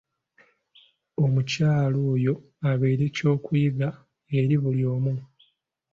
Omukyala oyo abeere eky'okuyiga eri buli omu.